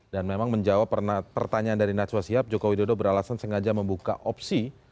dan memang menjawab pertanyaan dari natswa siap jokowi dodo beralasan sengaja membuka opsi